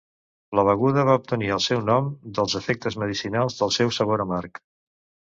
La beguda va obtenir el seu nom dels efectes medicinals del seu sabor amarg.